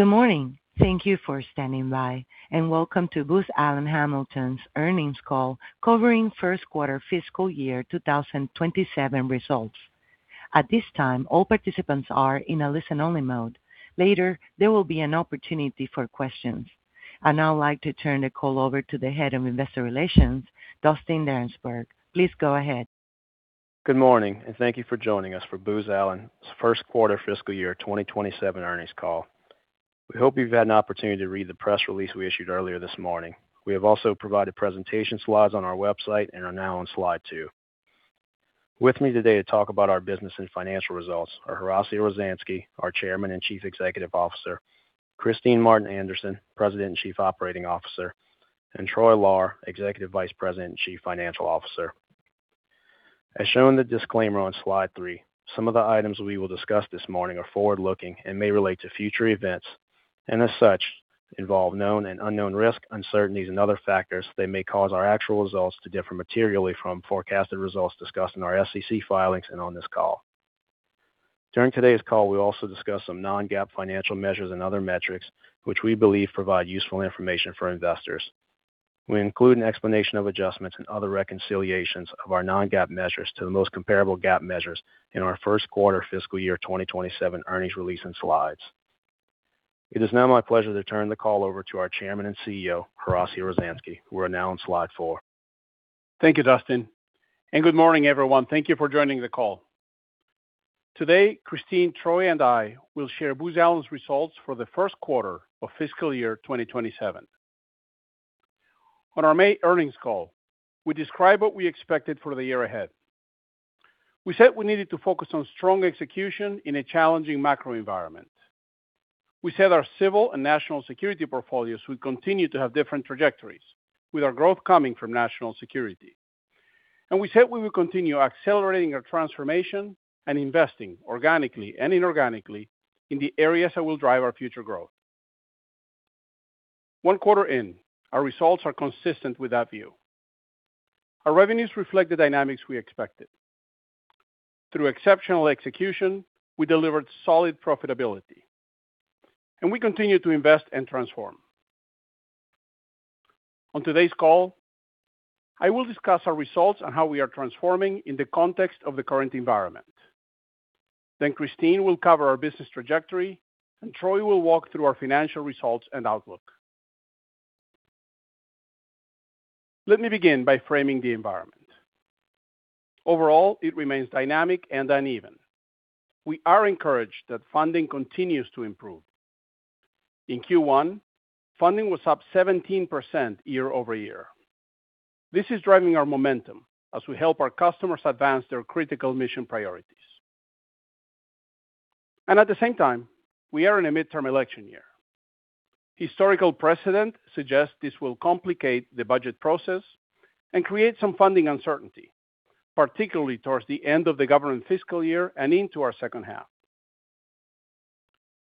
Good morning. Thank you for standing by, and welcome to Booz Allen Hamilton's earnings call covering first quarter fiscal year 2027 results. At this time, all participants are in a listen-only mode. Later, there will be an opportunity for questions. I'd now like to turn the call over to the Head of Investor Relations, Dustin Darensbourg. Please go ahead. Good morning. Thank you for joining us for Booz Allen's first quarter fiscal year 2027 earnings call. We hope you've had an opportunity to read the press release we issued earlier this morning. We have also provided presentation slides on our website and are now on slide two. With me today to talk about our business and financial results are Horacio Rozanski, our Chairman and Chief Executive Officer, Kristine Martin Anderson, President and Chief Operating Officer, and Troy Lahr, Executive Vice President and Chief Financial Officer. As shown in the disclaimer on slide three, some of the items we will discuss this morning are forward-looking and may relate to future events, and as such, involve known and unknown risks, uncertainties, and other factors that may cause our actual results to differ materially from forecasted results discussed in our SEC filings and on this call. During today's call, we'll also discuss some non-GAAP financial measures and other metrics which we believe provide useful information for investors. We include an explanation of adjustments and other reconciliations of our non-GAAP measures to the most comparable GAAP measures in our first quarter fiscal year 2027 earnings release and slides. It is now my pleasure to turn the call over to our Chairman and CEO, Horacio Rozanski. We're now on slide four. Thank you, Dustin. Good morning, everyone. Thank you for joining the call. Today, Kristine, Troy, and I will share Booz Allen's results for the first quarter of fiscal year 2027. On our May earnings call, we described what we expected for the year ahead. We said we needed to focus on strong execution in a challenging macro environment. We said our civil and national security portfolios would continue to have different trajectories, with our growth coming from national security. We said we will continue accelerating our transformation and investing organically and inorganically in the areas that will drive our future growth. One quarter in, our results are consistent with that view. Our revenues reflect the dynamics we expected. Through exceptional execution, we delivered solid profitability, and we continue to invest and transform. On today's call, I will discuss our results and how we are transforming in the context of the current environment. Kristine will cover our business trajectory, and Troy will walk through our financial results and outlook. Let me begin by framing the environment. Overall, it remains dynamic and uneven. We are encouraged that funding continues to improve. In Q1, funding was up 17% year-over-year. This is driving our momentum as we help our customers advance their critical mission priorities. At the same time, we are in a midterm election year. Historical precedent suggests this will complicate the budget process and create some funding uncertainty, particularly towards the end of the government fiscal year and into our second half.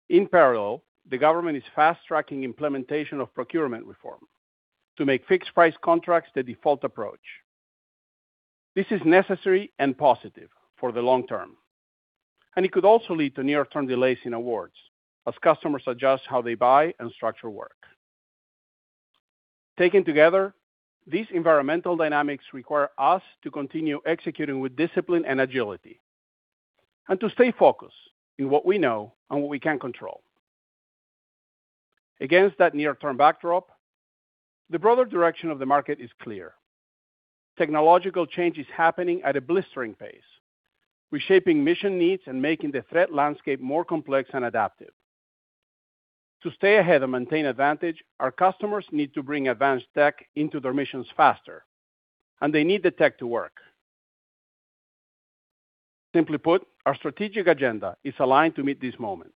In parallel, the government is fast-tracking implementation of procurement reform to make fixed price contracts the default approach. This is necessary and positive for the long-term, and it could also lead to near-term delays in awards as customers adjust how they buy and structure work. Taken together, these environmental dynamics require us to continue executing with discipline and agility and to stay focused on what we know and what we can control. Against that near-term backdrop, the broader direction of the market is clear. Technological change is happening at a blistering pace, reshaping mission needs and making the threat landscape more complex and adaptive. To stay ahead and maintain advantage, our customers need to bring advanced tech into their missions faster, and they need the tech to work. Simply put, our strategic agenda is aligned to meet this moment.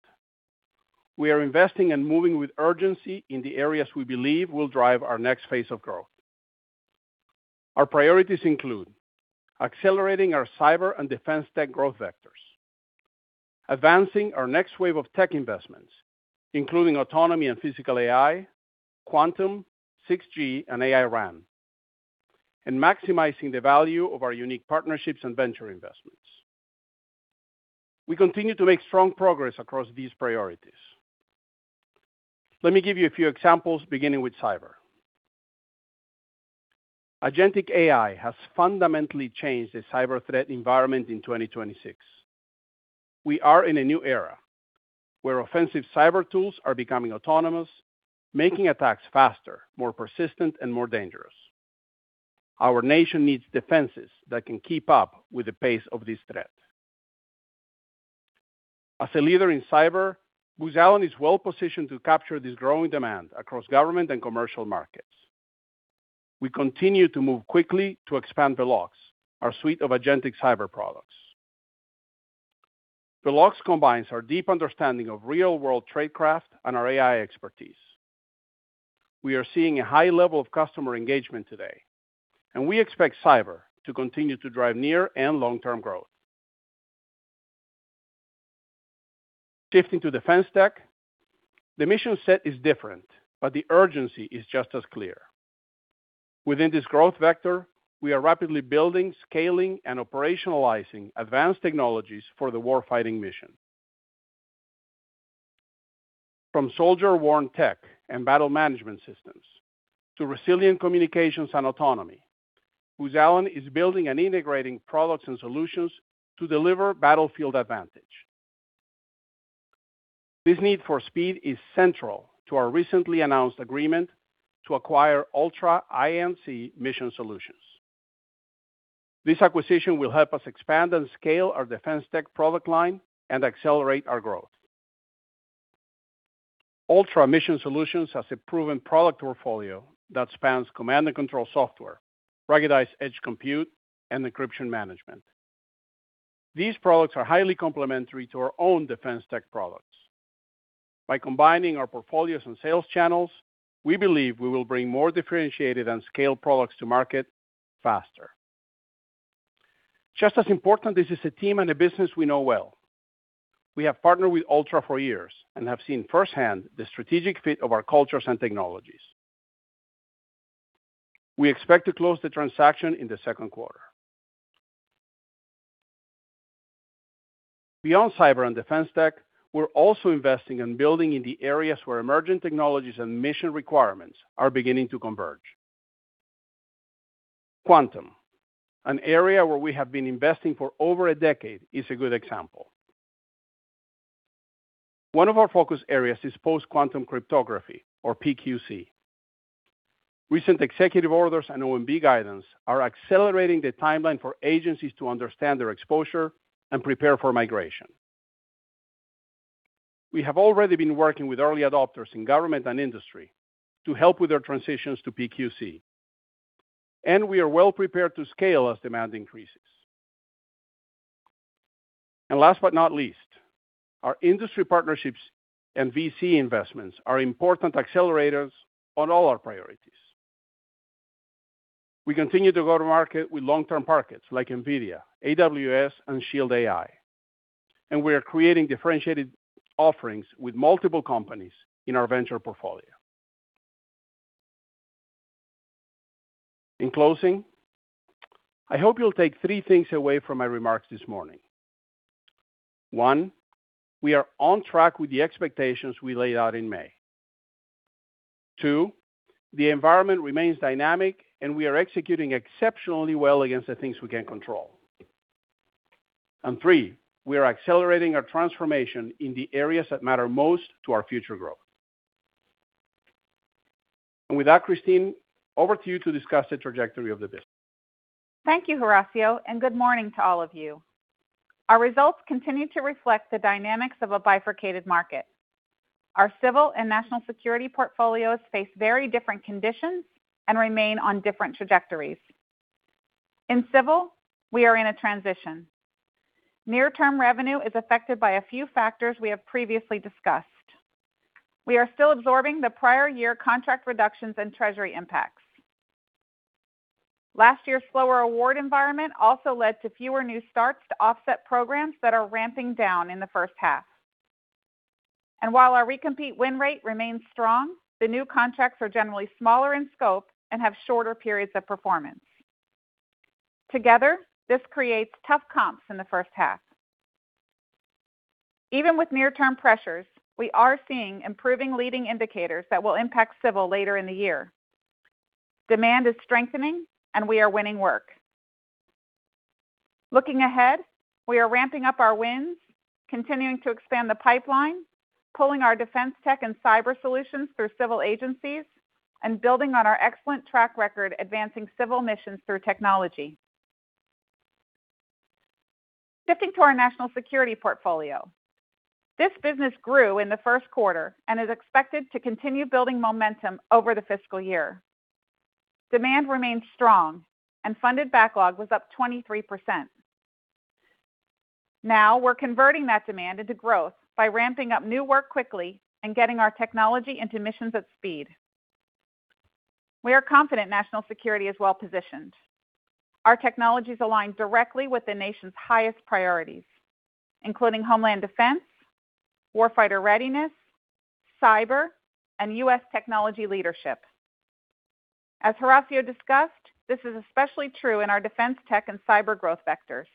We are investing and moving with urgency in the areas we believe will drive our next phase of growth. Our priorities include accelerating our cyber and defense tech growth vectors, advancing our next wave of tech investments, including autonomy and physical AI, quantum, 6G, and AI RAN, and maximizing the value of our unique partnerships and venture investments. We continue to make strong progress across these priorities. Let me give you a few examples, beginning with cyber. Agentic AI has fundamentally changed the cyber threat environment in 2026. We are in a new era where offensive cyber tools are becoming autonomous, making attacks faster, more persistent, and more dangerous. Our nation needs defenses that can keep up with the pace of this threat. As a leader in cyber, Booz Allen is well positioned to capture this growing demand across government and commercial markets. We continue to move quickly to expand Vellox, our suite of agentic cyber products. Vellox combines our deep understanding of real-world tradecraft and our AI expertise. We are seeing a high level of customer engagement today, and we expect cyber to continue to drive near and long-term growth. Shifting to defense tech, the mission set is different, but the urgency is just as clear. Within this growth vector, we are rapidly building, scaling, and operationalizing advanced technologies for the warfighting mission. From soldier-worn tech and battle management systems to resilient communications and autonomy, Booz Allen is building and integrating products and solutions to deliver battlefield advantage. This need for speed is central to our recently announced agreement to acquire Ultra I&C Mission Solutions. This acquisition will help us expand and scale our defense tech product line and accelerate our growth. Ultra Mission Solutions has a proven product portfolio that spans command and control software, ruggedized edge compute, and encryption management. These products are highly complementary to our own defense tech products. By combining our portfolios and sales channels, we believe we will bring more differentiated and scaled products to market faster. Just as important, this is a team and a business we know well. We have partnered with Ultra for years and have seen firsthand the strategic fit of our cultures and technologies. We expect to close the transaction in the second quarter. Beyond cyber and defense tech, we're also investing in building in the areas where emergent technologies and mission requirements are beginning to converge. Quantum, an area where we have been investing for over a decade, is a good example. One of our focus areas is post-quantum cryptography, or PQC. Recent executive orders and OMB guidance are accelerating the timeline for agencies to understand their exposure and prepare for migration. We have already been working with early adopters in government and industry to help with their transitions to PQC, and we are well prepared to scale as demand increases. Last but not least, our industry partnerships and VC investments are important accelerators on all our priorities. We continue to go to market with long-term partners like NVIDIA, AWS, and Shield AI, and we are creating differentiated offerings with multiple companies in our venture portfolio. In closing, I hope you'll take three things away from my remarks this morning. One, we are on track with the expectations we laid out in May. Two, the environment remains dynamic, and we are executing exceptionally well against the things we can control. Three, we are accelerating our transformation in the areas that matter most to our future growth. With that, Kristine, over to you to discuss the trajectory of the business. Thank you, Horacio. Good morning to all of you. Our results continue to reflect the dynamics of a bifurcated market. Our civil and national security portfolios face very different conditions and remain on different trajectories. In civil, we are in a transition. Near-term revenue is affected by a few factors we have previously discussed. We are still absorbing the prior year contract reductions and treasury impacts. Last year's slower award environment also led to fewer new starts to offset programs that are ramping down in the first half. While our recompete win rate remains strong, the new contracts are generally smaller in scope and have shorter periods of performance. Together, this creates tough comps in the first half. Even with near-term pressures, we are seeing improving leading indicators that will impact civil later in the year. Demand is strengthening, and we are winning work. Looking ahead, we are ramping up our wins, continuing to expand the pipeline, pulling our defense tech and cyber solutions through civil agencies, and building on our excellent track record advancing civil missions through technology. Shifting to our national security portfolio. This business grew in the first quarter and is expected to continue building momentum over the fiscal year. Demand remains strong, and funded backlog was up 23%. Now we're converting that demand into growth by ramping up new work quickly and getting our technology into missions at speed. We are confident national security is well-positioned. Our technologies align directly with the nation's highest priorities, including homeland defense, warfighter readiness, cyber, and U.S. technology leadership. As Horacio discussed, this is especially true in our defense tech and cyber growth vectors,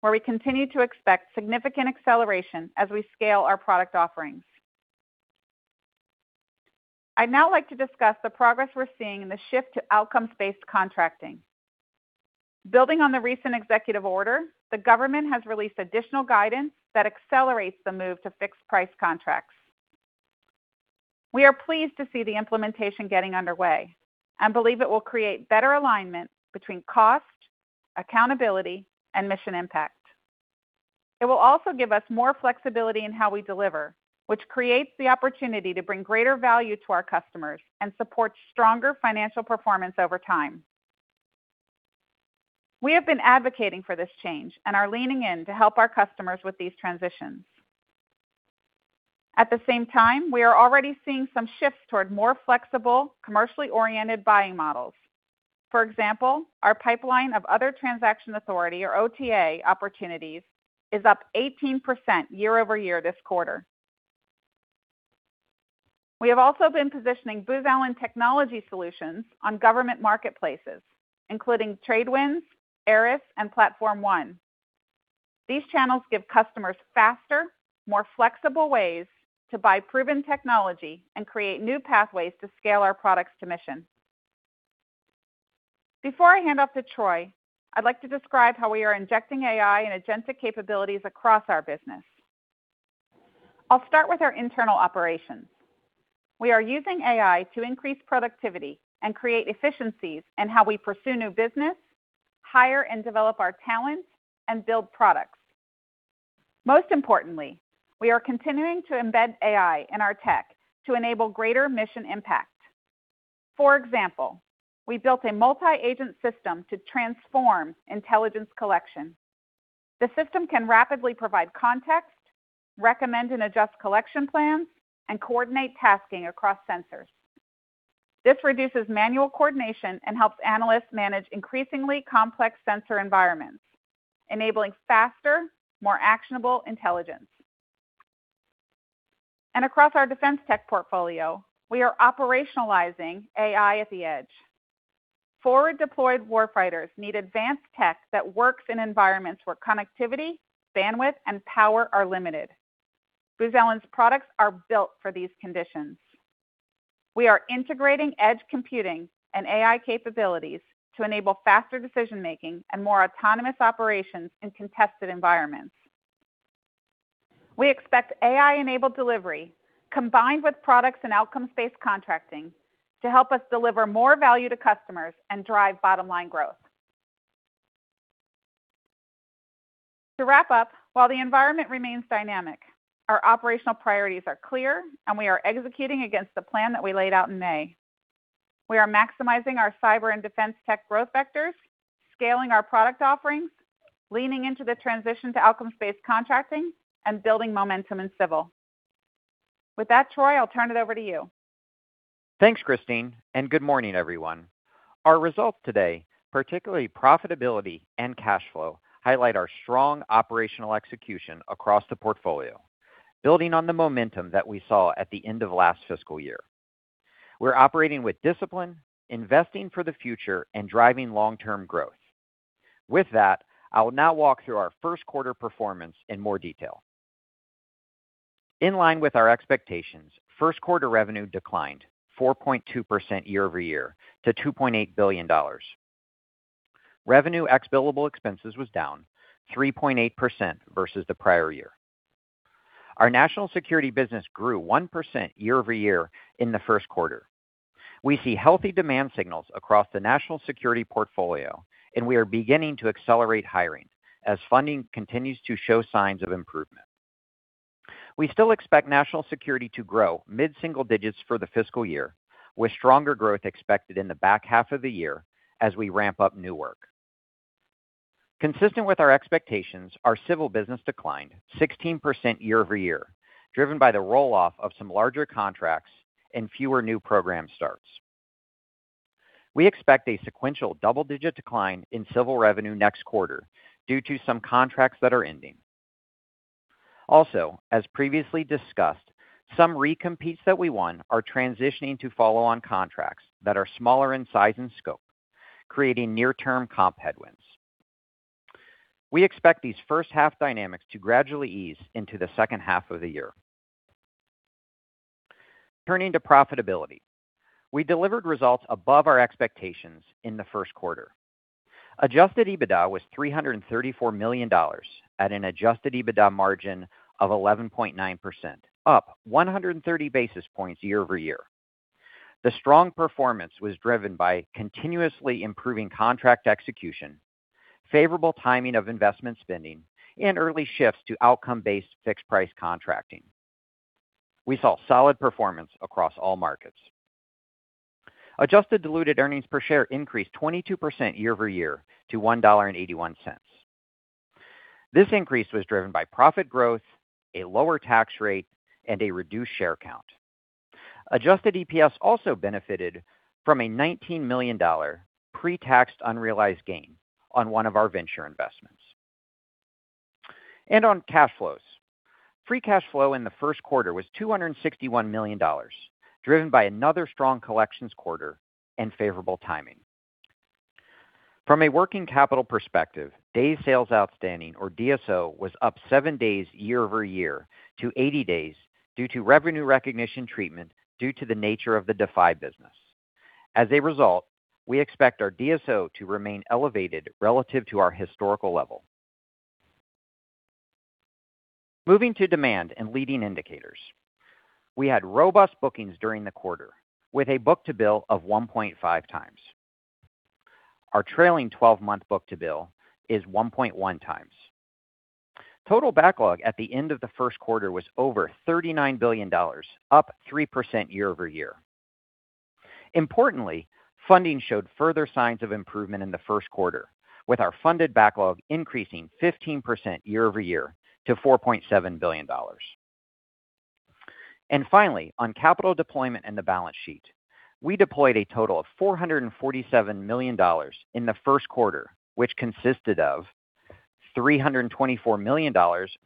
where we continue to expect significant acceleration as we scale our product offerings. I'd now like to discuss the progress we're seeing in the shift to outcomes-based contracting. Building on the recent executive order, the government has released additional guidance that accelerates the move to fixed price contracts. We are pleased to see the implementation getting underway and believe it will create better alignment between cost, accountability, and mission impact. It will also give us more flexibility in how we deliver, which creates the opportunity to bring greater value to our customers and support stronger financial performance over time. We have been advocating for this change and are leaning in to help our customers with these transitions. At the same time, we are already seeing some shifts toward more flexible, commercially-oriented buying models. For example, our pipeline of other transaction authority, or OTA, opportunities is up 18% year-over-year this quarter. We have also been positioning Booz Allen technology solutions on government marketplaces, including Tradewind, Aeris, and Platform One. These channels give customers faster, more flexible ways to buy proven technology and create new pathways to scale our products to mission. Before I hand off to Troy, I'd like to describe how we are injecting AI and agentic capabilities across our business. I'll start with our internal operations. We are using AI to increase productivity and create efficiencies in how we pursue new business, hire and develop our talent, and build products. Most importantly, we are continuing to embed AI in our tech to enable greater mission impact. For example, we built a multi-agent system to transform intelligence collection. The system can rapidly provide context, recommend and adjust collection plans, and coordinate tasking across sensors. This reduces manual coordination and helps analysts manage increasingly complex sensor environments, enabling faster, more actionable intelligence. Across our defense tech portfolio, we are operationalizing AI at the edge. Forward-deployed warfighters need advanced tech that works in environments where connectivity, bandwidth, and power are limited. Booz Allen's products are built for these conditions. We are integrating edge computing and AI capabilities to enable faster decision-making and more autonomous operations in contested environments. We expect AI-enabled delivery, combined with products and outcomes-based contracting, to help us deliver more value to customers and drive bottom-line growth. To wrap up, while the environment remains dynamic, our operational priorities are clear, and we are executing against the plan that we laid out in May. We are maximizing our cyber and defense tech growth vectors, scaling our product offerings, leaning into the transition to outcomes-based contracting, and building momentum in civil. With that, Troy, I'll turn it over to you. Thanks, Kristine, and good morning, everyone. Our results today, particularly profitability and cash flow, highlight our strong operational execution across the portfolio, building on the momentum that we saw at the end of last fiscal year. We're operating with discipline, investing for the future, and driving long-term growth. With that, I will now walk through our first quarter performance in more detail. In line with our expectations, first quarter revenue declined 4.2% year-over-year to $2.8 billion. Revenue ex billable expenses was down 3.8% versus the prior year. Our national security business grew 1% year-over-year in the first quarter. We see healthy demand signals across the national security portfolio, and we are beginning to accelerate hiring as funding continues to show signs of improvement. We still expect national security to grow mid-single digits for the fiscal year, with stronger growth expected in the back half of the year as we ramp-up new work. Consistent with our expectations, our civil business declined 16% year-over-year, driven by the roll-off of some larger contracts and fewer new program starts. We expect a sequential double-digit decline in civil revenue next quarter due to some contracts that are ending. Also, as previously discussed, some recompetes that we won are transitioning to follow-on contracts that are smaller in size and scope, creating near-term comp headwinds. We expect these first half dynamics to gradually ease into the second half of the year. Turning to profitability. We delivered results above our expectations in the first quarter. Adjusted EBITDA was $334 million at an adjusted EBITDA margin of 11.9%, up 130 basis points year-over-year. The strong performance was driven by continuously improving contract execution, favorable timing of investment spending, and early shifts to outcome-based fixed-price contracting. We saw solid performance across all markets. Adjusted diluted earnings per share increased 22% year-over-year to $1.81. This increase was driven by profit growth, a lower tax rate, and a reduced share count. Adjusted EPS also benefited from a $19 million pre-taxed unrealized gain on one of our venture investments. On cash flows, free cash flow in the first quarter was $261 million, driven by another strong collections quarter and favorable timing. From a working capital perspective, days sales outstanding, or DSO, was up seven days year-over-year to 80 days due to revenue recognition treatment due to the nature of the Defy business. As a result, we expect our DSO to remain elevated relative to our historical level. Moving to demand and leading indicators. We had robust bookings during the quarter, with a book-to-bill of 1.5 times. Our trailing 12-month book-to-bill is 1.1 times. Total backlog at the end of the first quarter was over $39 billion, up 3% year-over-year. Importantly, funding showed further signs of improvement in the first quarter, with our funded backlog increasing 15% year-over-year to $4.7 billion. Finally, on capital deployment and the balance sheet, we deployed a total of $447 million in the first quarter, which consisted of $324 million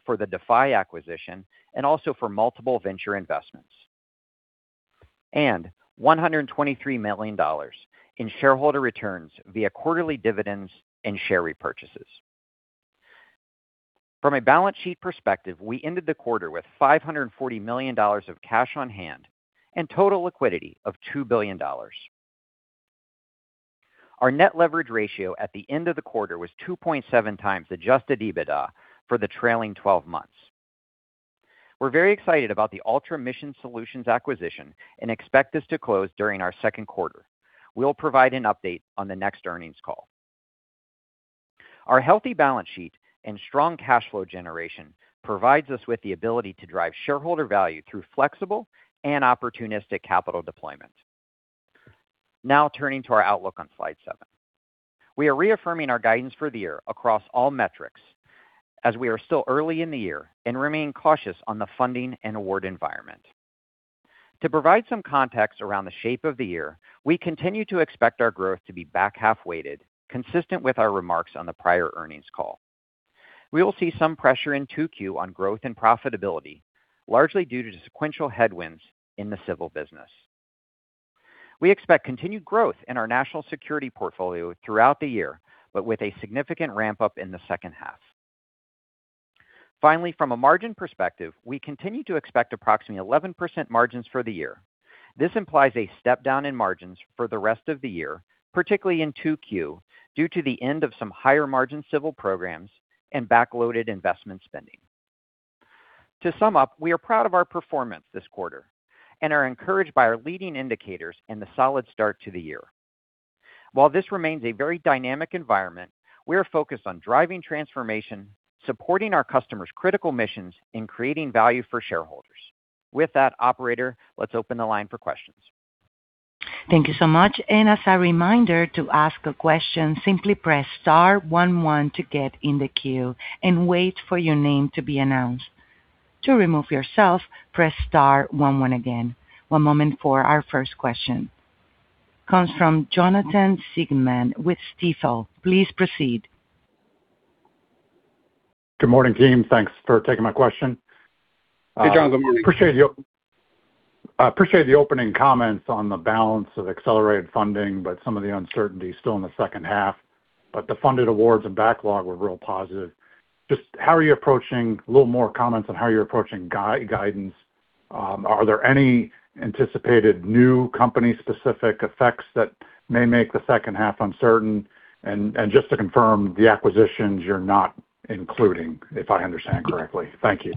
for the Defy acquisition and also for multiple venture investments. $123 million in shareholder returns via quarterly dividends and share repurchases. From a balance sheet perspective, we ended the quarter with $540 million of cash on hand and total liquidity of $2 billion. Our net leverage ratio at the end of the quarter was 2.7 times adjusted EBITDA for the trailing 12 months. We are very excited about the Ultra Mission Solutions acquisition and expect this to close during our second quarter. We will provide an update on the next earnings call. Our healthy balance sheet and strong cash flow generation provides us with the ability to drive shareholder value through flexible and opportunistic capital deployment. Now turning to our outlook on slide seven. We are reaffirming our guidance for the year across all metrics as we are still early in the year and remain cautious on the funding and award environment. To provide some context around the shape of the year, we continue to expect our growth to be back-half weighted, consistent with our remarks on the prior earnings call. We will see some pressure in 2Q on growth and profitability, largely due to sequential headwinds in the civil business. We expect continued growth in our national security portfolio throughout the year, but with a significant ramp-up in the second half. Finally, from a margin perspective, we continue to expect approximately 11% margins for the year. This implies a step-down in margins for the rest of the year, particularly in 2Q, due to the end of some higher-margin civil programs and back-loaded investment spending. To sum up, we are proud of our performance this quarter and are encouraged by our leading indicators and the solid start to the year. While this remains a very dynamic environment, we are focused on driving transformation, supporting our customer's critical missions, and creating value for shareholders. With that, operator, let's open the line for questions. Thank you so much. As a reminder, to ask a question, simply press star one one to get in the queue and wait for your name to be announced. To remove yourself, press star one one again. One moment for our first question. Comes from Jonathan Siegmann with Stifel. Please proceed. Good morning, team. Thanks for taking my question. Hey, Jon. Good morning. Appreciate the opening comments on the balance of accelerated funding, but some of the uncertainty is still in the second half, but the funded awards and backlog were real positive. Just a little more comments on how you're approaching guidance. Are there any anticipated new company-specific effects that may make the second half uncertain? Just to confirm, the acquisitions you're not including, if I understand correctly. Thank you.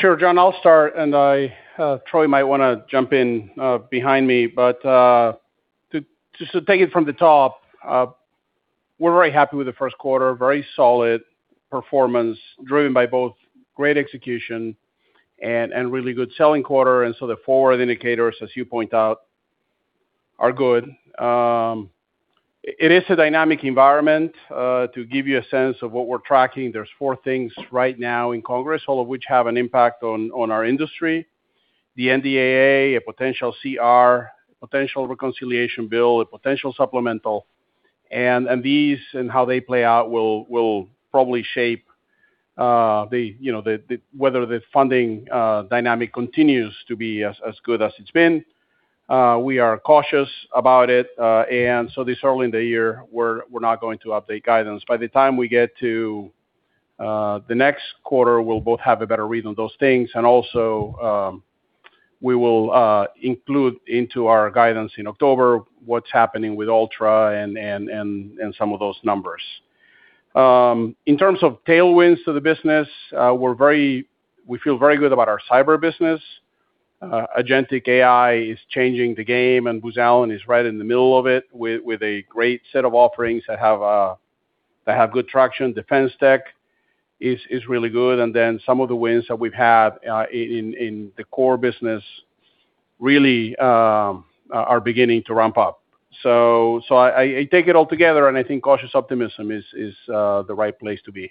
Sure, Jon, I'll start, Troy might want to jump in behind me. Just to take it from the top, we're very happy with the first quarter. Very solid performance, driven by both great execution and a really good selling quarter. The forward indicators, as you point out, are good. It is a dynamic environment. To give you a sense of what we're tracking, there's four things right now in Congress, all of which have an impact on our industry. The NDAA, a potential CR, a potential reconciliation bill, a potential supplemental. These and how they play out will probably shape whether the funding dynamic continues to be as good as it's been. We are cautious about it. This early in the year, we're not going to update guidance. By the time we get to the next quarter, we'll both have a better read on those things. Also, we will include into our guidance in October what's happening with Ultra and some of those numbers. In terms of tailwinds to the business, we feel very good about our cyber business. Agentic AI is changing the game, and Booz Allen is right in the middle of it with a great set of offerings that have good traction. Defense Tech is really good. Then some of the wins that we've had in the core business really are beginning to ramp-up. I take it all together, and I think cautious optimism is the right place to be.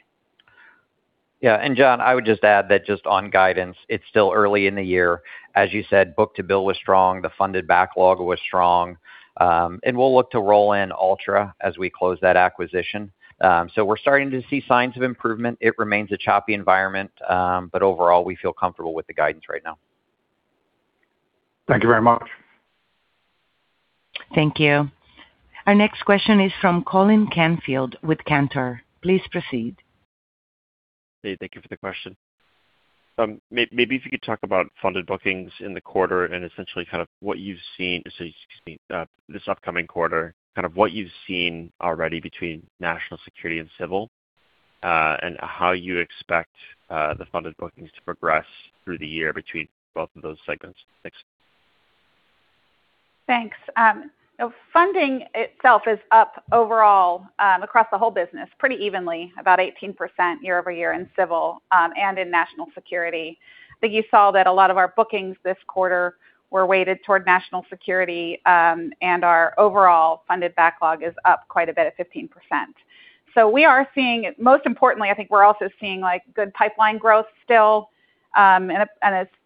Yeah. Jon, I would just add that just on guidance, it's still early in the year. As you said, book-to-bill was strong, the funded backlog was strong. We'll look to roll in Ultra as we close that acquisition. We're starting to see signs of improvement. It remains a choppy environment, but overall, we feel comfortable with the guidance right now. Thank you very much. Thank you. Our next question is from Colin Canfield with Cantor. Please proceed. Hey, thank you for the question. Maybe if you could talk about funded bookings in the quarter and essentially kind of what you've seen already between national security and civil, and how you expect the funded bookings to progress through the year between both of those segments. Thanks. Thanks. Funding itself is up overall across the whole business pretty evenly, about 18% year-over-year in civil and in national security. You saw that a lot of our bookings this quarter were weighted toward national security, and our overall funded backlog is up quite a bit at 15%. Most importantly, I think we're also seeing good pipeline growth still, and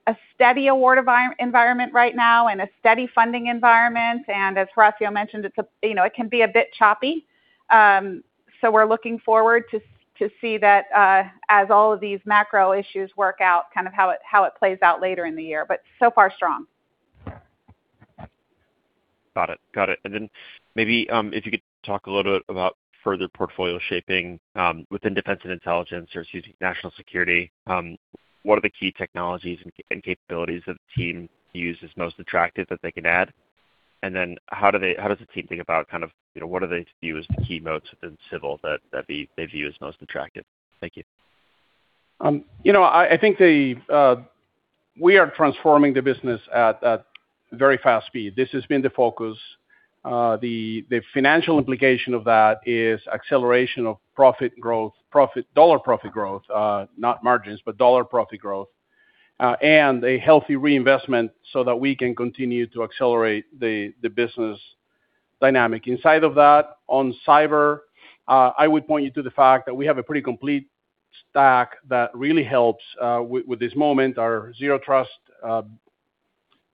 a steady award environment right now and a steady funding environment. As Horacio mentioned, it can be a bit choppy. We're looking forward to see that as all of these macro issues work out, how it plays out later in the year. So far, strong. Got it. Maybe if you could talk a little bit about further portfolio shaping within defense and intelligence or excuse me, national security. What are the key technologies and capabilities that the team views as most attractive that they can add? How does the team think about what do they view as the key modes in civil that they view as most attractive? Thank you. I think we are transforming the business at a very fast speed. This has been the focus. The financial implication of that is acceleration of profit growth, dollar profit growth, not margins, but dollar profit growth, and a healthy reinvestment so that we can continue to accelerate the business dynamic. Inside of that, on cyber, I would point you to the fact that we have a pretty complete stack that really helps with this moment. Our zero trust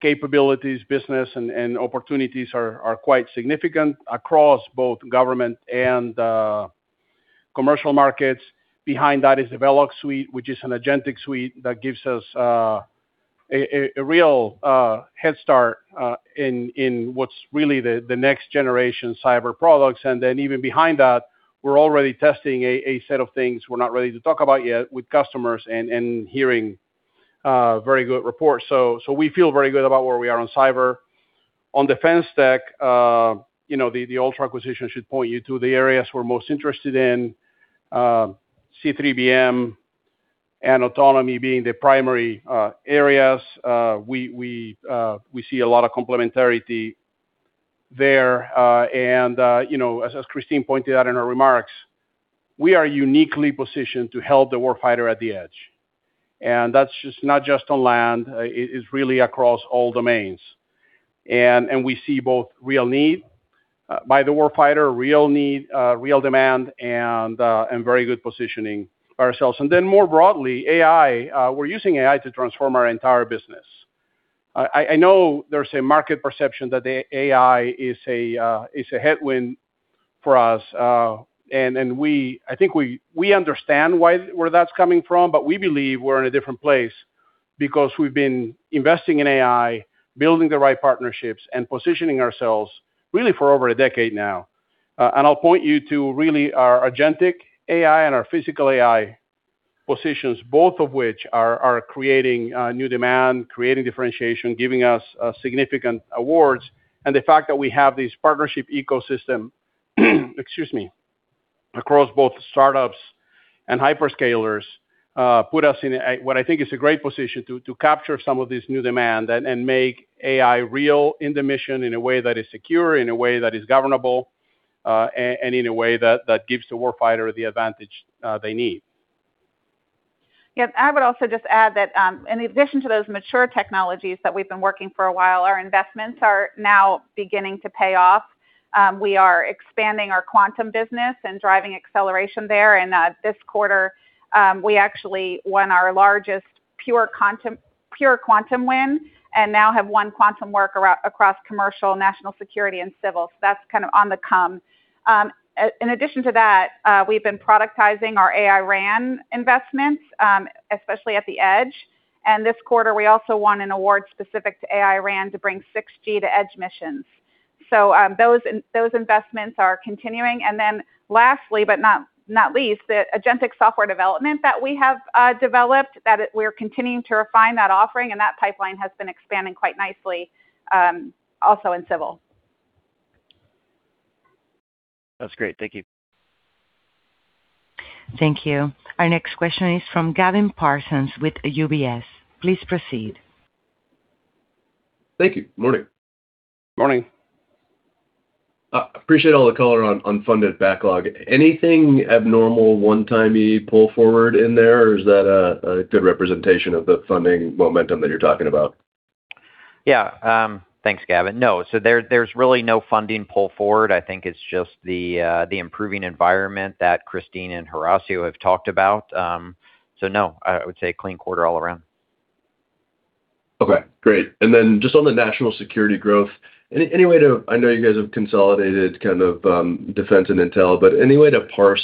capabilities, business, and opportunities are quite significant across both government and commercial markets. Behind that is Evolve Suite, which is an agentic suite that gives us a real head start in what's really the next generation cyber products. Even behind that, we're already testing a set of things we're not ready to talk about yet with customers and hearing very good reports. We feel very good about where we are on cyber. On defense tech, the Ultra acquisition should point you to the areas we're most interested in, C3BM and autonomy being the primary areas. We see a lot of complementarity there. As Kristine pointed out in her remarks, we are uniquely positioned to help the war fighter at the edge, that's not just on land, it is really across all domains. We see both real need by the war fighter, real demand, and very good positioning ourselves. More broadly, AI. We're using AI to transform our entire business. I know there's a market perception that AI is a headwind for us. I think we understand where that's coming from, but we believe we're in a different place because we've been investing in AI, building the right partnerships, and positioning ourselves really for over a decade now. I'll point you to really our agentic AI and our physical AI positions, both of which are creating new demand, creating differentiation, giving us significant awards. The fact that we have this partnership ecosystem excuse me, across both startups and hyperscalers, put us in what I think is a great position to capture some of this new demand and make AI real in the mission in a way that is secure, in a way that is governable, and in a way that gives the war fighter the advantage they need. Yes. I would also just add that in addition to those mature technologies that we've been working for a while, our investments are now beginning to pay off. We are expanding our quantum business and driving acceleration there. This quarter, we actually won our largest pure quantum win and now have won quantum work across commercial, national security, and civil. That's on the come. In addition to that, we've been productizing our AI RAN investments, especially at the edge. This quarter, we also won an award specific to AI RAN to bring 6G to edge missions. Those investments are continuing. Lastly, but not least, the agentic software development that we have developed, that we're continuing to refine that offering and that pipeline has been expanding quite nicely also in civil. That's great. Thank you. Thank you. Our next question is from Gavin Parsons with UBS. Please proceed. Thank you. Morning. Morning. I appreciate all the color on unfunded backlog. Anything abnormal, one-timey pull forward in there, or is that a good representation of the funding momentum that you're talking about? Yeah. Thanks, Gavin. No. There's really no funding pull forward. I think it's just the improving environment that Kristine and Horacio have talked about. No, I would say clean quarter all around. Okay, great. Just on the national security growth, I know you guys have consolidated kind of defense and intel. Any way to parse,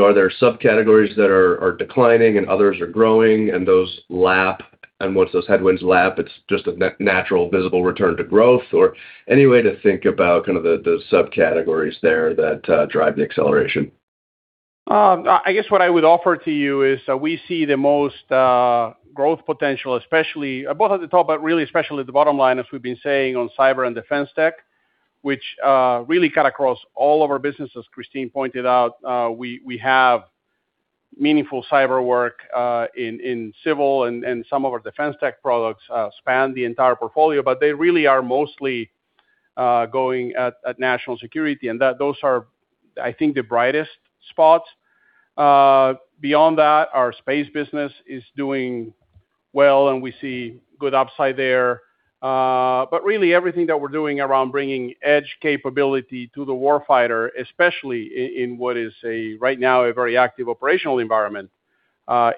are there subcategories that are declining and others are growing and those lap, and once those headwinds lap, it's just a natural visible return to growth? Any way to think about the subcategories there that drive the acceleration? I guess what I would offer to you is we see the most growth potential, especially both at the top, really, especially at the bottom line, as we've been saying on cyber and defense tech, which really cut across all of our businesses. Kristine pointed out we have meaningful cyber work in civil and some of our defense tech products span the entire portfolio. They really are mostly going at national security, and those are, I think, the brightest spots. Beyond that, our space business is doing well. We see good upside there. Really everything that we're doing around bringing edge capability to the war fighter, especially in what is right now a very active operational environment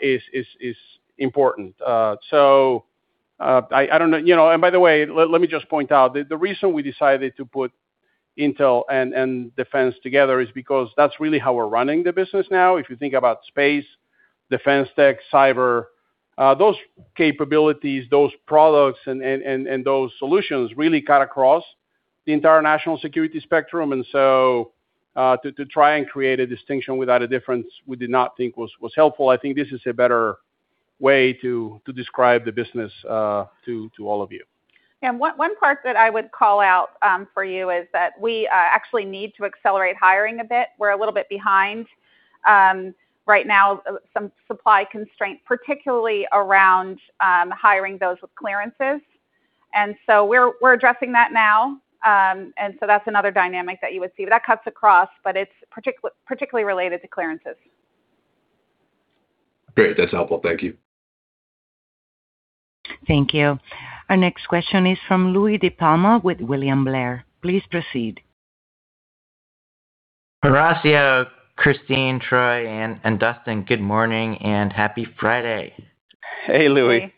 is important. I don't know. By the way, let me just point out, the reason we decided to put Intel and Defense together is because that's really how we're running the business now. If you think about space, defense tech, cyber, those capabilities, those products, and those solutions really cut across the entire national security spectrum. To try and create a distinction without a difference we did not think was helpful. I think this is a better way to describe the business to all of you. One part that I would call out for you is that we actually need to accelerate hiring a bit. We're a little bit behind. Right now, some supply constraint, particularly around hiring those with clearances. We're addressing that now. That's another dynamic that you would see. That cuts across. It's particularly related to clearances. Great. That's helpful. Thank you. Thank you. Our next question is from Louie DiPalma with William Blair. Please proceed. Horacio, Kristine, Troy, and Dustin, good morning and happy Friday. Hey, Louie.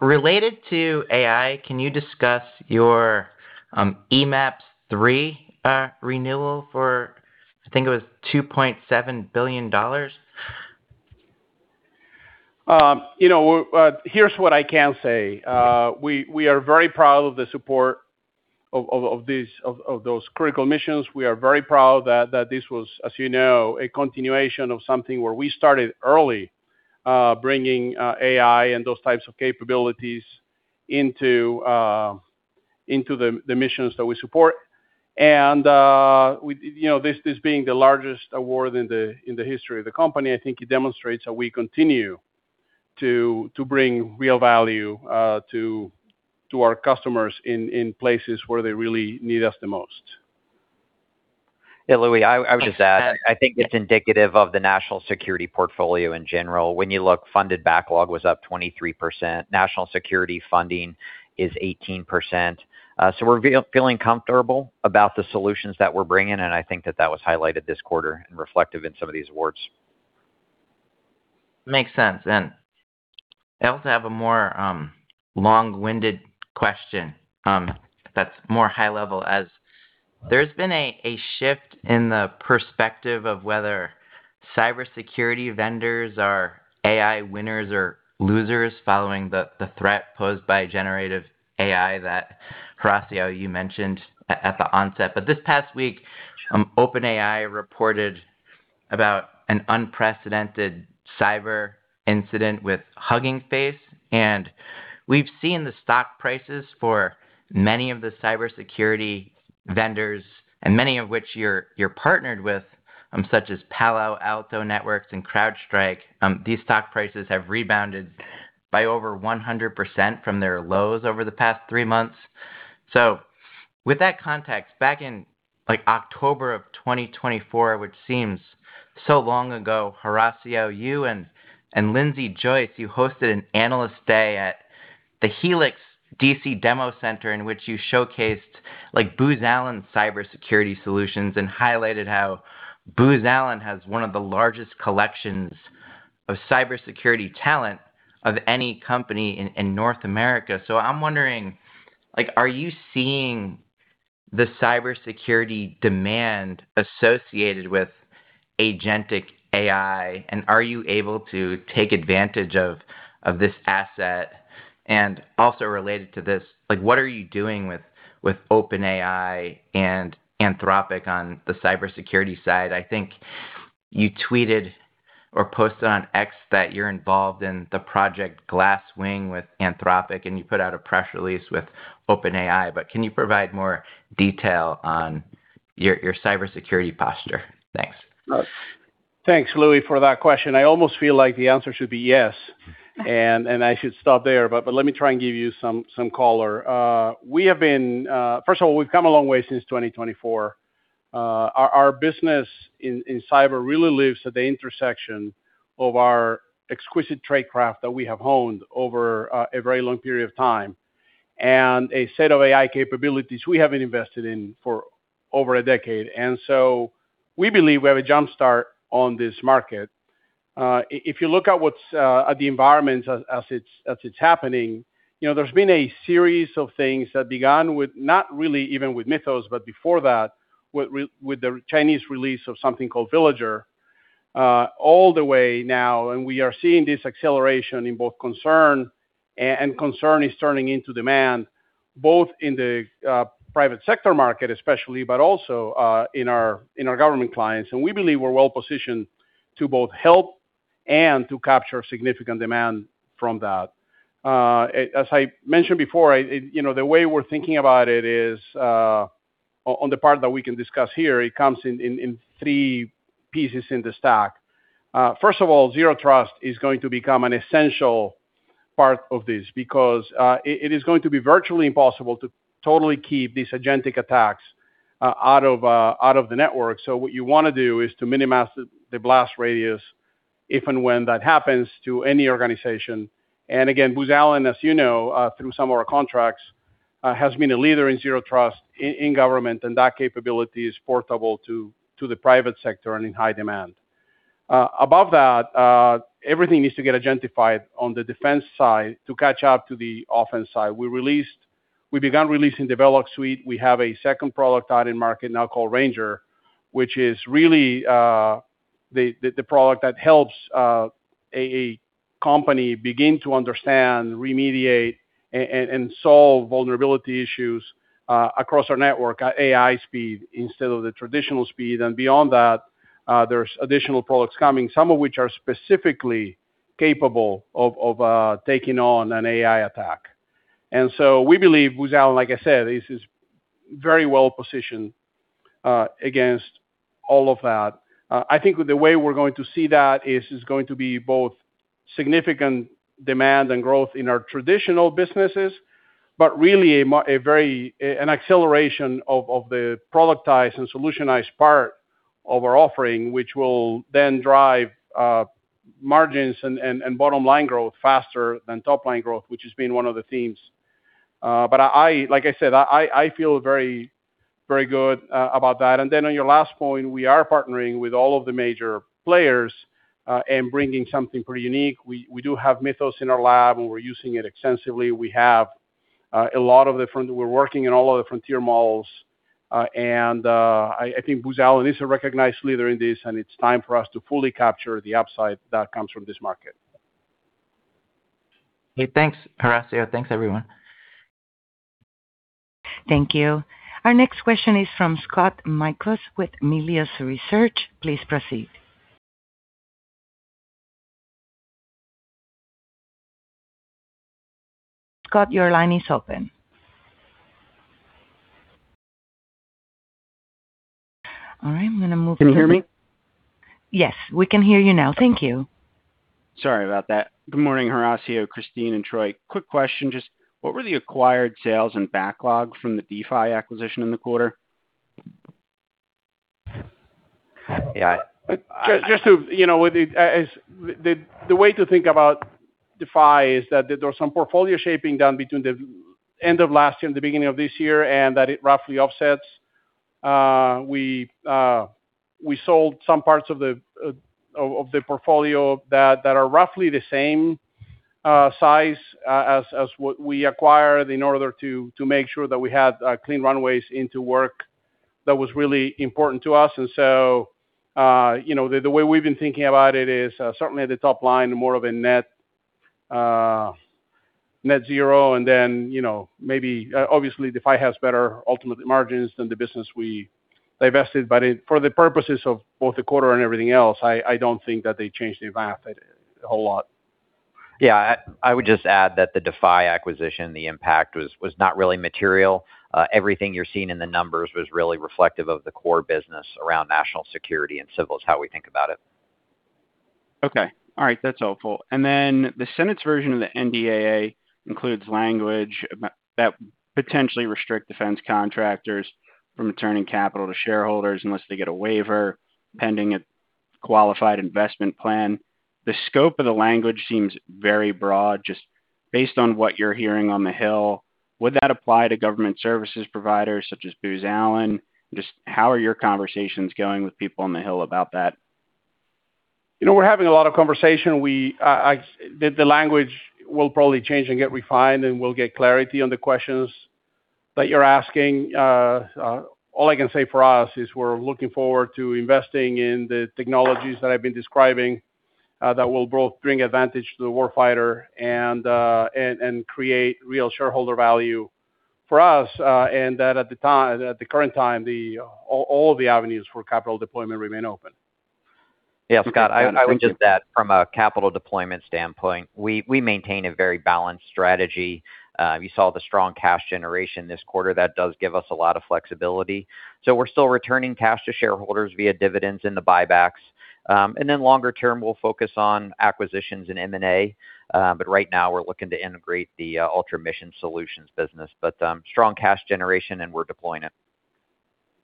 Related to AI, can you discuss your eMAPS 3 renewal for, I think it was $2.7 billion? Here's what I can say. We are very proud of the support of those critical missions. We are very proud that this was, you know, a continuation of something where we started early, bringing AI and those types of capabilities into the missions that we support. This being the largest award in the history of the company, I think it demonstrates that we continue to bring real value to our customers in places where they really need us the most. Louie, I would just add, I think it's indicative of the national security portfolio in general. When you look, funded backlog was up 23%. National security funding is 18%. We're feeling comfortable about the solutions that we're bringing, and I think that that was highlighted this quarter and reflective in some of these awards. Makes sense. I also have a more long-winded question that's more high level. As there's been a shift in the perspective of whether cybersecurity vendors are AI winners or losers following the threat posed by generative AI that, Horacio, you mentioned at the onset. This past week, OpenAI reported about an unprecedented cyber incident with Hugging Face, and we've seen the stock prices for many of the cybersecurity vendors, and many of which you're partnered with, such as Palo Alto Networks and CrowdStrike. These stock prices have rebounded by over 100% from their lows over the past three months. With that context, back in October of 2024, which seems so long ago, Horacio, you and Lindsay Joyce, you hosted an analyst day at The Helix D.C. demo center in which you showcased Booz Allen cybersecurity solutions and highlighted how Booz Allen has one of the largest collections of cybersecurity talent of any company in North America. I am wondering, are you seeing the cybersecurity demand associated with agentic AI, and are you able to take advantage of this asset? Also related to this, what are you doing with OpenAI and Anthropic on the cybersecurity side? I think you tweeted or posted on X that you are involved in Project Glasswing with Anthropic, and you put out a press release with OpenAI. Can you provide more detail on your cybersecurity posture? Thanks. Thanks, Louie, for that question. I almost feel like the answer should be yes, and I should stop there, but let me try and give you some color. First of all, we have come a long way since 2024. Our business in cyber really lives at the intersection of our exquisite trade craft that we have honed over a very long period of time and a set of AI capabilities we have been invested in for over a decade. We believe we have a jump start on this market. If you look at the environment as it is happening, there has been a series of things that began with not really even with Mythos, but before that, with the Chinese release of something called Villager, all the way now. We are seeing this acceleration in both concern. Concern is turning into demand, both in the private sector market especially, but also in our government clients. We believe we are well positioned to both help and to capture significant demand from that. As I mentioned before, the way we are thinking about it is, on the part that we can discuss here, it comes in three pieces in the stack. First of all, zero trust is going to become an essential part of this because it is going to be virtually impossible to totally keep these agentic attacks out of the network. What you want to do is to minimize the blast radius if and when that happens to any organization. Again, Booz Allen, as you know, through some of our contracts has been a leader in zero trust in government, and that capability is portable to the private sector and in high demand. Above that, everything needs to get agentified on the defense side to catch up to the offense side. We began releasing Vellox Suite. We have a second product out in market now called Ranger, which is really the product that helps a company begin to understand, remediate, and solve vulnerability issues across our network at AI speed instead of the traditional speed. Beyond that, there are additional products coming, some of which are specifically capable of taking on an AI attack. We believe Booz Allen, like I said, is very well-positioned against all of that. I think the way we're going to see that is it's going to be both significant demand and growth in our traditional businesses, but really an acceleration of the productized and solutionized part of our offering, which will then drive margins and bottom-line growth faster than top-line growth, which has been one of the themes. Like I said, I feel very good about that. On your last point, we are partnering with all of the major players and bringing something pretty unique. We do have Mythos in our lab, and we're using it extensively. We're working in all of the frontier models. I think Booz Allen is a recognized leader in this, and it's time for us to fully capture the upside that comes from this market. Hey, thanks, Horacio. Thanks, everyone. Thank you. Our next question is from Scott Mikos with Melius Research. Please proceed. Scott, your line is open. Can you hear me? Yes. We can hear you now. Thank you. Sorry about that. Good morning, Horacio, Kristine, and Troy. Quick question. Just what were the acquired sales and backlog from the Defy acquisition in the quarter? The way to think about Defy is that there was some portfolio shaping done between the end of last year and the beginning of this year, that it roughly offsets. We sold some parts of the portfolio that are roughly the same size as what we acquired in order to make sure that we had clean runways into work that was really important to us. So, the way we've been thinking about it is certainly at the top line, more of a net zero. Then, obviously Defy has better ultimate margins than the business we divested. For the purposes of both the quarter and everything else, I don't think that they changed the impact a whole lot. Yeah. I would just add that the Defy acquisition, the impact was not really material. Everything you're seeing in the numbers was really reflective of the core business around national security and civil, is how we think about it. Okay. All right. That's helpful. The Senate's version of the NDAA includes language that potentially restrict defense contractors from returning capital to shareholders unless they get a waiver pending a qualified investment plan. The scope of the language seems very broad. Just based on what you're hearing on the Hill, would that apply to government services providers such as Booz Allen? Just how are your conversations going with people on the Hill about that? We're having a lot of conversation. The language will probably change and get refined, and we'll get clarity on the questions that you're asking. All I can say for us, is we're looking forward to investing in the technologies that I've been describing that will both bring advantage to the war fighter and create real shareholder value for us. At the current time, all the avenues for capital deployment remain open. Yeah, Scott, I would just add from a capital deployment standpoint, we maintain a very balanced strategy. You saw the strong cash generation this quarter. That does give us a lot of flexibility. We're still returning cash to shareholders via dividends and the buybacks. Longer term, we'll focus on acquisitions and M&A. Right now we're looking to integrate the Ultra Mission Solutions business. Strong cash generation, and we're deploying it.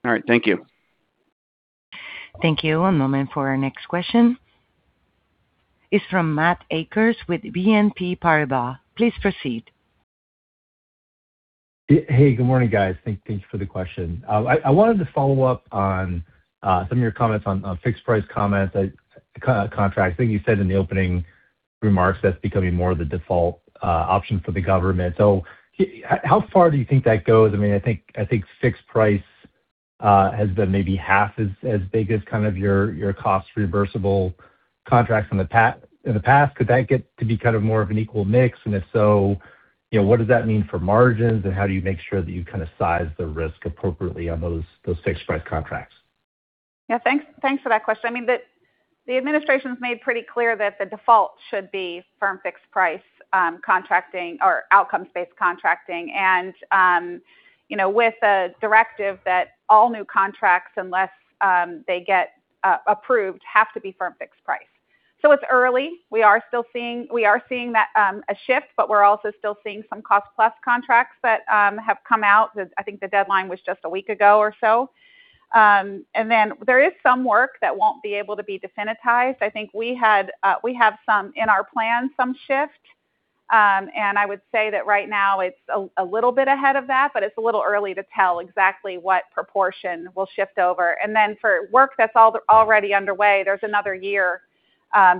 All right. Thank you. Thank you. One moment for our next question. It's from Matt Akers with BNP Paribas. Please proceed. Hey, good morning, guys. Thanks for the question. I wanted to follow-up on some of your comments on fixed price comments, contracts. I think you said in the opening remarks that's becoming more of the default option for the government. How far do you think that goes? I think fixed price has been maybe half as big as kind of your cost-plus contracts in the past. Could that get to be kind of more of an equal mix? If so, what does that mean for margins, and how do you make sure that you size the risk appropriately on those fixed price contracts? Yeah. Thanks for that question. The administration's made pretty clear that the default should be firm fixed price contracting or outcomes-based contracting. With a directive that all new contracts, unless they get approved, have to be firm fixed price. It's early. We are seeing a shift, but we're also still seeing some cost-plus contracts that have come out. I think the deadline was just a week ago or so. There is some work that won't be able to be definitized. I think we have, in our plan, some shift. I would say that right now it's a little bit ahead of that, but it's a little early to tell exactly what proportion will shift over. For work that's already underway, there's another year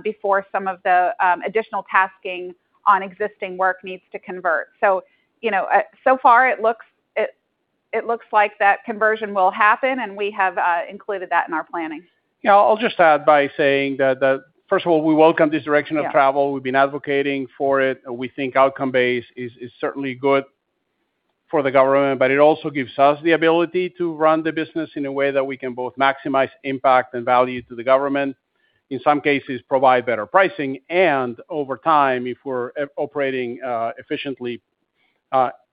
before some of the additional tasking on existing work needs to convert. So far it looks like that conversion will happen, and we have included that in our planning. I'll just add by saying that first of all, we welcome this direction of travel. We've been advocating for it. We think outcome-based is certainly good for the government, it also gives us the ability to run the business in a way that we can both maximize impact and value to the government. In some cases, provide better pricing, over time, if we're operating efficiently,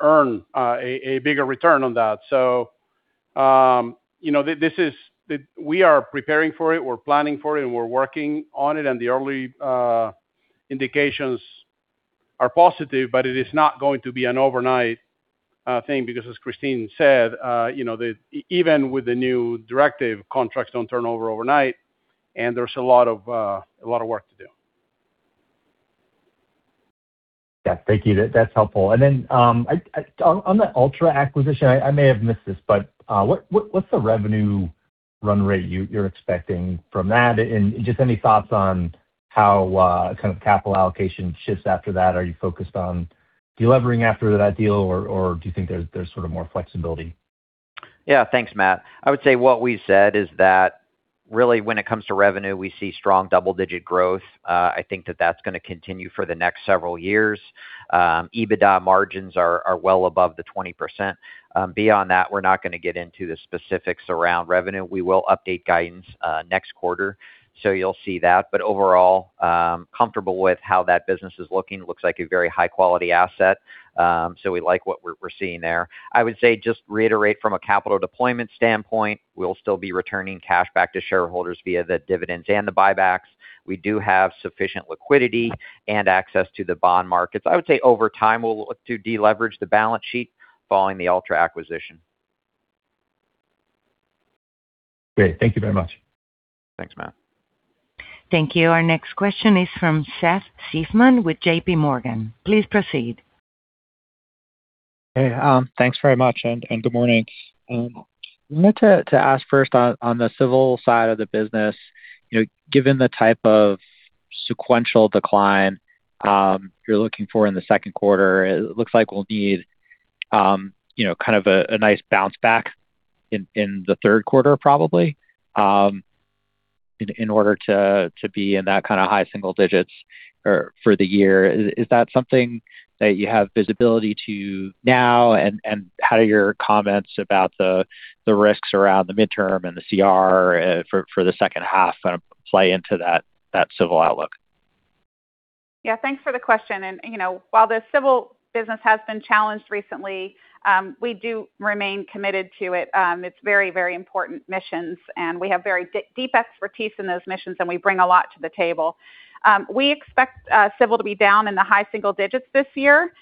earn a bigger return on that. We are preparing for it, we're planning for it, we're working on it, the early indications are positive, it is not going to be an overnight thing because, as Kristine said, even with the new directive, contracts don't turn over overnight, there's a lot of work to do. Thank you. That's helpful. Then on the Ultra acquisition, I may have missed this, what's the revenue run rate you're expecting from that? Just any thoughts on how capital allocation shifts after that? Are you focused on delevering after that deal, or do you think there's more flexibility? Thanks, Matt. I would say what we said is that really when it comes to revenue, we see strong double-digit growth. I think that that's going to continue for the next several years. EBITDA margins are well above the 20%. Beyond that, we're not going to get into the specifics around revenue. We will update guidance next quarter, you'll see that. Overall, comfortable with how that business is looking. Looks like a very high-quality asset. We like what we're seeing there. I would say, just reiterate from a capital deployment standpoint, we'll still be returning cash back to shareholders via the dividends and the buybacks. We do have sufficient liquidity and access to the bond markets. I would say over time, we'll look to deleverage the balance sheet following the Ultra acquisition. Great. Thank you very much. Thanks, Matt. Thank you. Our next question is from Seth Seifman with JPMorgan. Please proceed. Hey, thanks very much, and good morning. I wanted to ask first on the civil side of the business, given the type of sequential decline you're looking for in the second quarter, it looks like we'll need a nice bounce back in the third quarter, probably, in order to be in that high single digits for the year. Is that something that you have visibility to now, and how do your comments about the risks around the midterm and the CR for the second half play into that civil outlook? Yeah. Thanks for the question. While the civil business has been challenged recently, we do remain committed to it. Its very important missions, and we have very deep expertise in those missions, and we bring a lot to the table. We expect civil to be down in the high single digits this year.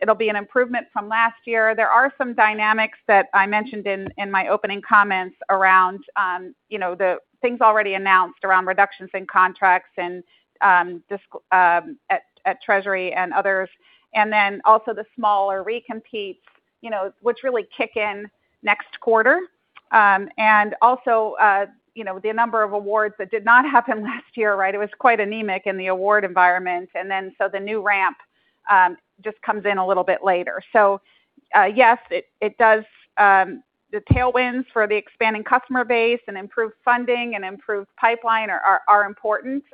It'll be an improvement from last year. There are some dynamics that I mentioned in my opening comments around the things already announced around reductions in contracts at Treasury and others, also the smaller recompetes which really kick in next quarter. Also, the number of awards that did not happen last year, right? It was quite anemic in the award environment. So the new ramp just comes in a little bit later. Yes, the tailwinds for the expanding customer base and improved funding and improved pipeline are important.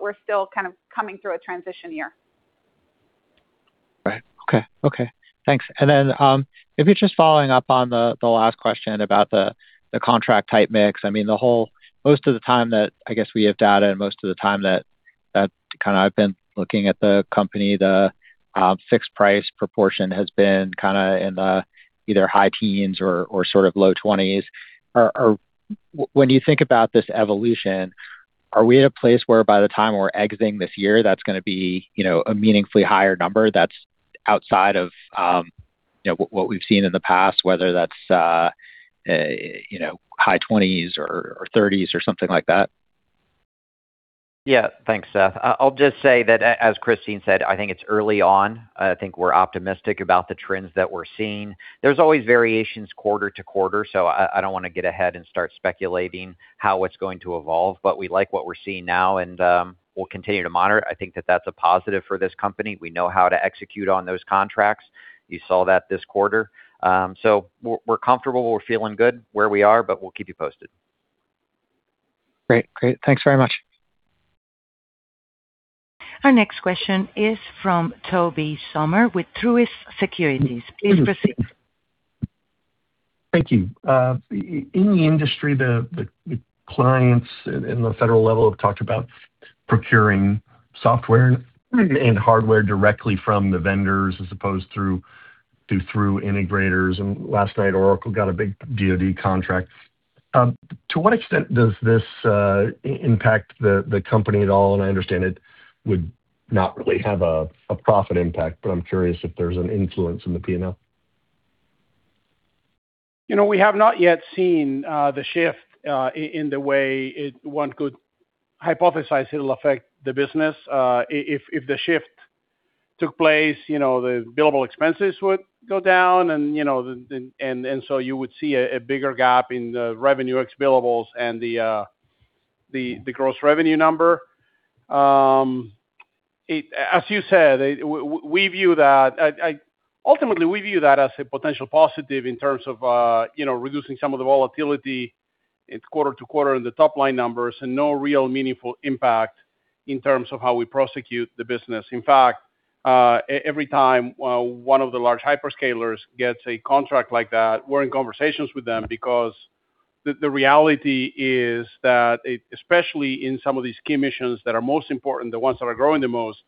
We're still kind of coming through a transition year. Right. Okay. Thanks. If you're just following up on the last question about the contract type mix, most of the time that, I guess, we have data and most of the time that I've been looking at the company, the fixed price proportion has been in the either high teens or low 20s. When you think about this evolution, are we at a place where by the time we're exiting this year, that's going to be a meaningfully higher number that's outside of what we've seen in the past, whether that's high 20s or 30s or something like that? Yeah. Thanks, Seth. I'll just say that, as Kristine said, I think it's early on. I think we're optimistic about the trends that we're seeing. There's always variations quarter-to-quarter. I don't want to get ahead and start speculating how it's going to evolve. We like what we're seeing now, and we'll continue to monitor it. I think that that's a positive for this company. We know how to execute on those contracts. You saw that this quarter. We're comfortable, we're feeling good where we are. We'll keep you posted. Great. Thanks very much. Our next question is from Tobey Sommer with Truist Securities. Please proceed. Thank you. In the industry, the clients in the federal level have talked about procuring software and hardware directly from the vendors as opposed through integrators. Last night, Oracle got a big DoD contract. To what extent does this impact the company at all? I understand it would not really have a profit impact, I'm curious if there's an influence in the P&L. We have not yet seen the shift in the way one could hypothesize it'll affect the business. If the shift took place, the billable expenses would go down, you would see a bigger gap in the revenue ex billables and the gross revenue number. As you said, ultimately, we view that as a potential positive in terms of reducing some of the volatility. It's quarter-to-quarter in the top line numbers and no real meaningful impact in terms of how we prosecute the business. In fact, every time one of the large hyperscalers gets a contract like that, we're in conversations with them because the reality is that, especially in some of these key missions that are most important, the ones that are growing the most,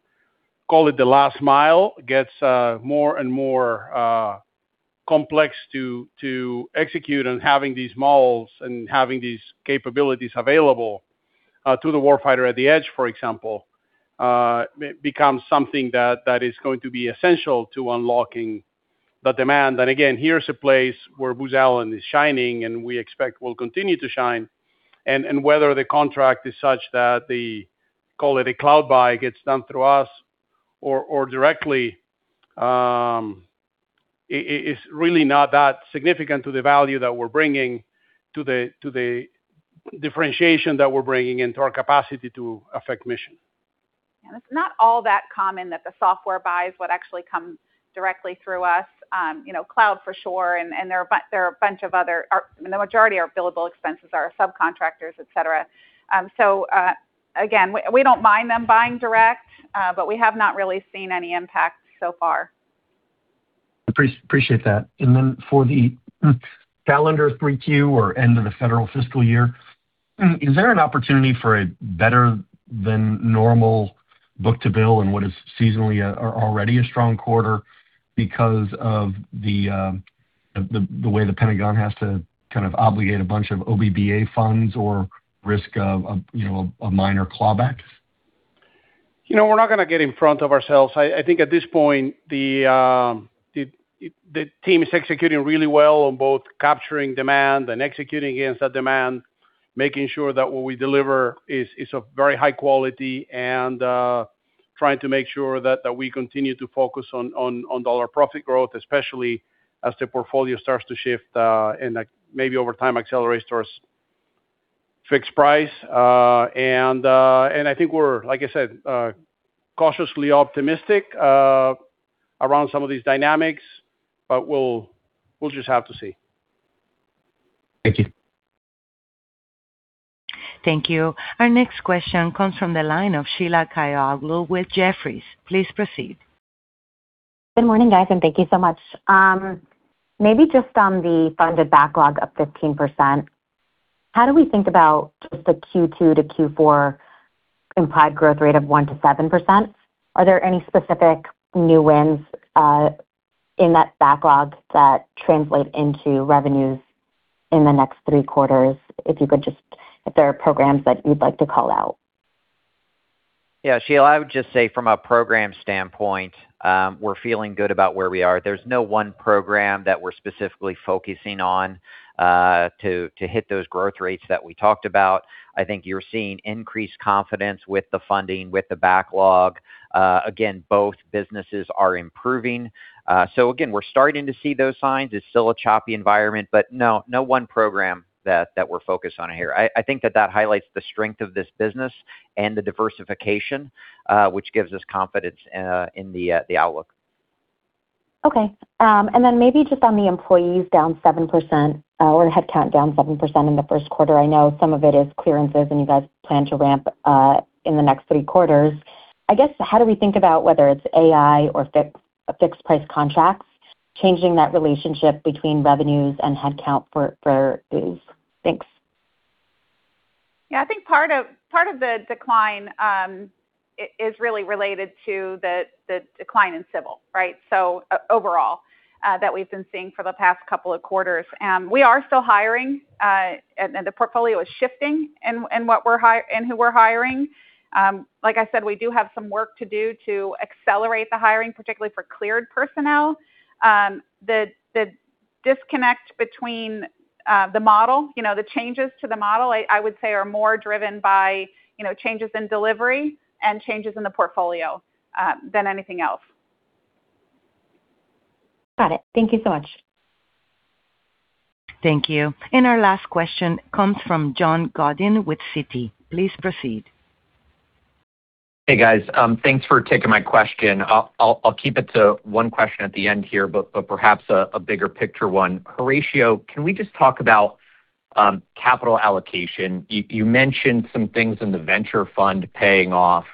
call it the last mile, gets more and more complex to execute. Having these models and having these capabilities available to the warfighter at the edge, for example becomes something that is going to be essential to unlocking the demand. Again, here is a place where Booz Allen is shining and we expect will continue to shine. Whether the contract is such that the, call it a cloud buy, gets done through us or directly it is really not that significant to the value that we're bringing to the differentiation that we're bringing into our capacity to affect mission. Yeah, it's not all that common that the software buys what actually comes directly through us. Cloud for sure, the majority of our billable expenses are subcontractors, et cetera. Again, we don't mind them buying direct. We have not really seen any impact so far. Appreciate that. For the calendar 3Q or end of the federal fiscal year, is there an opportunity for a better than normal book-to-bill in what is seasonally already a strong quarter because of the way the Pentagon has to kind of obligate a bunch of O&M funds or risk of a minor clawback? We're not going to get in front of ourselves. I think at this point, the team is executing really well on both capturing demand and executing against that demand, making sure that what we deliver is of very high quality, and trying to make sure that we continue to focus on dollar profit growth, especially as the portfolio starts to shift, and maybe over time accelerates towards fixed price. I think we're, like I said, cautiously optimistic around some of these dynamics. We'll just have to see. Thank you. Thank you. Our next question comes from the line of Sheila Kahyaoglu with Jefferies. Please proceed. Good morning, guys, thank you so much. Maybe just on the funded backlog of 15%, how do we think about just the Q2 to Q4 implied growth rate of 1%-7%? Are there any specific new wins in that backlog that translate into revenues in the next three quarters? If there are programs that you'd like to call out. Yeah. Sheila, I would just say from a program standpoint, we're feeling good about where we are. There's no one program that we're specifically focusing on to hit those growth rates that we talked about. I think you're seeing increased confidence with the funding, with the backlog. Again, both businesses are improving. Again, we're starting to see those signs. It's still a choppy environment, but no one program that we're focused on here. I think that highlights the strength of this business and the diversification, which gives us confidence in the outlook. Okay. Then maybe just on the employees down 7%, or headcount down 7% in the first quarter. I know some of it is clearances and you guys plan to ramp in the next three quarters. I guess, how do we think about whether it's AI or fixed price contracts changing that relationship between revenues and headcount for these? Thanks. Yeah, I think part of the decline is really related to the decline in civil. Right? Overall, that we've been seeing for the past couple of quarters. We are still hiring, and the portfolio is shifting in who we're hiring. Like I said, we do have some work to do to accelerate the hiring, particularly for cleared personnel. The disconnect between the changes to the model, I would say, are more driven by changes in delivery and changes in the portfolio than anything else. Got it. Thank you so much. Thank you. Our last question comes from John Godin with Citi. Please proceed. Hey, guys. Thanks for taking my question. I'll keep it to one question at the end here, but perhaps a bigger picture one. Horacio, can we just talk about capital allocation? You mentioned some things in the venture fund paying off.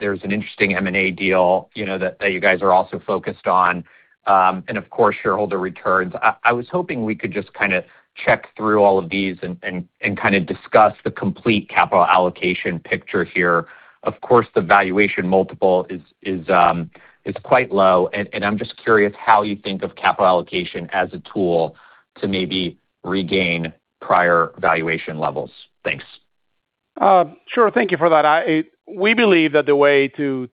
There's an interesting M&A deal that you guys are also focused on. Of course, shareholder returns. I was hoping we could just kind of check through all of these and kind of discuss the complete capital allocation picture here. Of course, the valuation multiple is quite low, and I'm just curious how you think of capital allocation as a tool to maybe regain prior valuation levels. Thanks. Sure. Thank you for that. We believe that the way to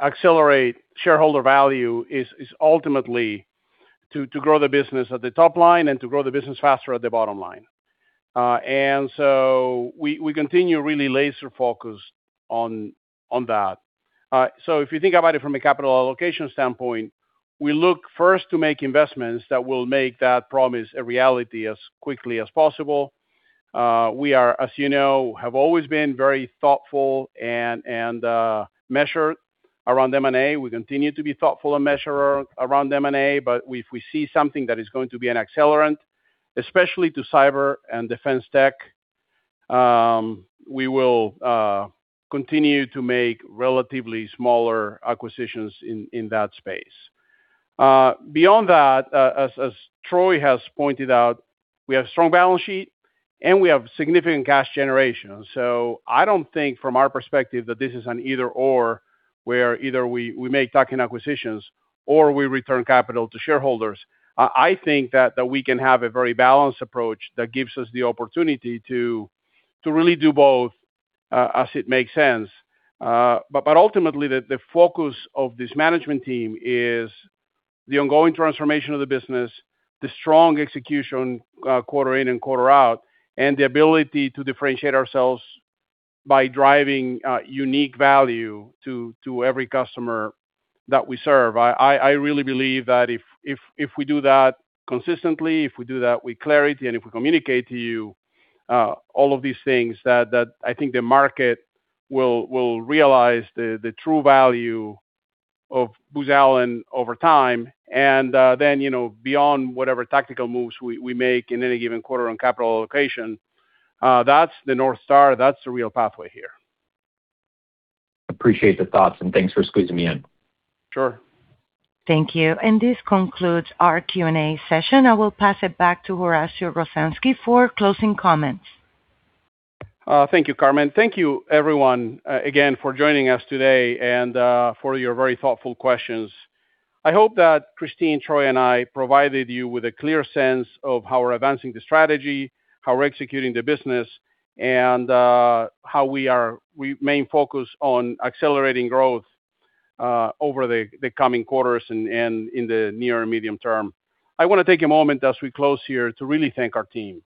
accelerate shareholder value is ultimately to grow the business at the top line and to grow the business faster at the bottom line. We continue really laser-focused on that. If you think about it from a capital allocation standpoint, we look first to make investments that will make that promise a reality as quickly as possible. We are, as you know, have always been very thoughtful and measured around M&A. We continue to be thoughtful and measured around M&A, but if we see something that is going to be an accelerant, especially to cyber and defense tech, we will continue to make relatively smaller acquisitions in that space. Beyond that, as Troy has pointed out, we have a strong balance sheet and we have significant cash generation. I don't think from our perspective that this is an either/or, where either we make tuck-in acquisitions or we return capital to shareholders. I think that we can have a very balanced approach that gives us the opportunity to really do both, as it makes sense. Ultimately, the focus of this management team is the ongoing transformation of the business, the strong execution quarter in and quarter out, and the ability to differentiate ourselves by driving unique value to every customer that we serve. I really believe that if we do that consistently, if we do that with clarity, and if we communicate to you all of these things, that I think the market will realize the true value of Booz Allen over time. Then, beyond whatever tactical moves we make in any given quarter on capital allocation, that's the North Star, that's the real pathway here. Appreciate the thoughts and thanks for squeezing me in. Sure. Thank you. This concludes our Q&A session. I will pass it back to Horacio Rozanski for closing comments. Thank you, Carmen. Thank you everyone again for joining us today and for your very thoughtful questions. I hope that Kristine, Troy, and I provided you with a clear sense of how we're advancing the strategy, how we're executing the business, and how we remain focused on accelerating growth over the coming quarters and in the near and medium term. I want to take a moment as we close here to really thank our team.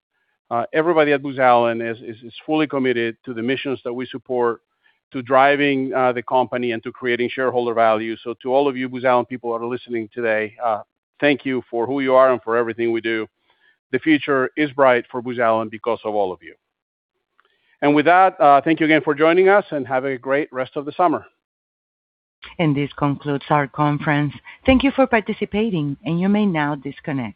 Everybody at Booz Allen is fully committed to the missions that we support, to driving the company, and to creating shareholder value. To all of you Booz Allen people that are listening today, thank you for who you are and for everything we do. The future is bright for Booz Allen because of all of you. With that, thank you again for joining us, and have a great rest of the summer. This concludes our conference. Thank you for participating, and you may now disconnect.